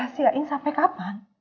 setelah kita dihukum